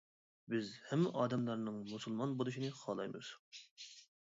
بىز ھەممە ئادەملەرنىڭ مۇسۇلمان بولۇشىنى خالايمىز.